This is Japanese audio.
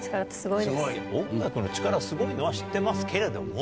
音楽の力すごいのは知ってますけれども。